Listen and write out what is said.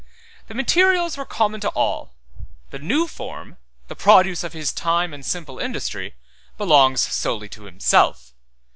The materials were common to all, the new form, the produce of his time and simple industry, belongs solely to himself.